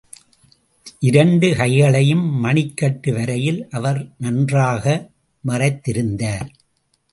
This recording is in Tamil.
இரண்டு கைகளையும் மணிக்கட்டு வரையில் அவர் நன்றாக மறைத்திருந்தார்.